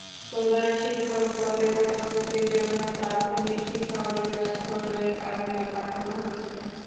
প্রধান শিক্ষক পদে পদোন্নতির জন্য প্রাথমিক শিক্ষা অধিদপ্তরে তালিকা পাঠানো হয়েছে।